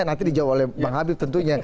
nanti dijawab oleh bang habib tentunya